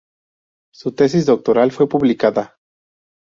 Su tesis doctoral fue publicada.